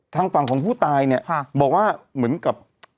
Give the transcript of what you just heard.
ทางฝั่งของผู้ตายเนี่ยบอกว่าเหมือนกับ